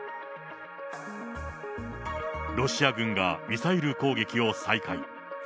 ロシア軍がミサイル攻撃を再開。